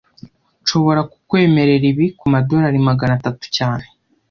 Nshobora kukwemerera ibi kumadorari magana atatu cyane